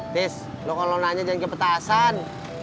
tis lo kalo nanya jangan ke petasan